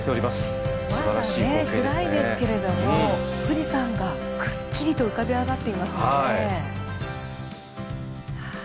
まだ暗いですけれども、富士山がくっきりと浮かび上がってますね。